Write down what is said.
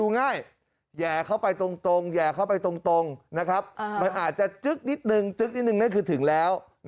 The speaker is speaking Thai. นี่คือถึงแล้ว